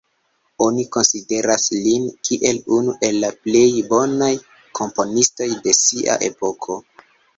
Oni konsideras lin kiel unu el la plej bonaj komponistoj de sia epoko.